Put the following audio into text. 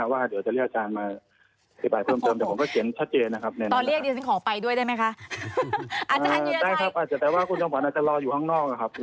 ว่าเดี๋ยวจะเรียกอาจารย์มา